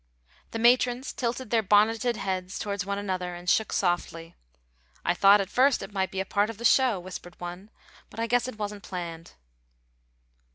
The matrons tilted their bonneted heads towards one another and shook softly. "I thought at first it might be a part of the show," whispered one, "but I guess it wasn't planned."